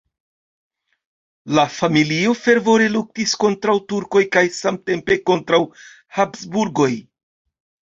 La familio fervore luktis kontraŭ turkoj kaj samtempe kontraŭ Habsburgoj.